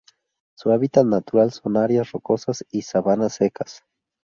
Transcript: Su hábitat natural son áreas rocosas y sabanas secas.